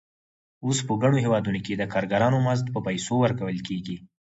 اوس په ګڼو هېوادونو کې د کارګرانو مزد په پیسو ورکول کېږي